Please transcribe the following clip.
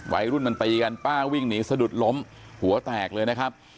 วัยรุ่นมันตีกันป้าวิ่งหนีสะดุดล้มหัวแตกเลยนะครับ